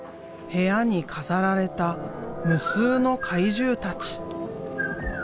部屋に飾られた無数の怪獣たち。